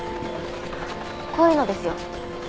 こういうのですよ。